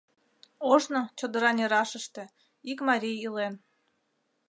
Ожно, чодыра нерашыште, ик марий илен.